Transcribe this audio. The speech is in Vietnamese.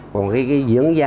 còn cái diễn giá